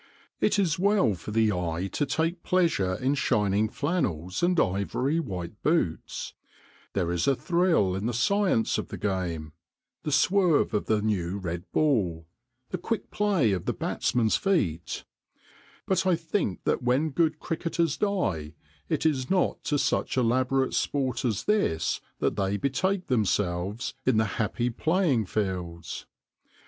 It is well for the eye to take pleasure in shining flannels and ivory white boots ; there is a thrill in the science of the game, the swerve of the new red ball, the quick play of the batsmen's feet ; but I think that when good cricketers die it is not to such elaborate sport as this that they betake themselves in the happy playing fields.